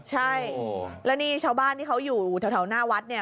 ใช่แล้วนี่ชาวบ้านที่เขาอยู่แถวหน้าวัดเนี่ย